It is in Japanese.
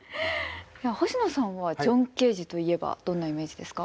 星野さんはジョン・ケージといえばどんなイメージですか？